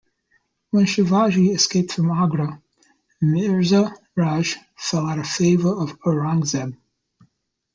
When Shivaji escaped from Agra, Mirza Raje fell out of favour of Aurangzeb.